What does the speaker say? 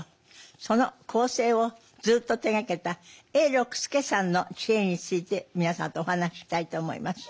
その構成をずっと手がけた永六輔さんの知恵について皆さんとお話ししたいと思います。